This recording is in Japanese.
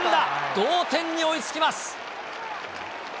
同点に追いつきます。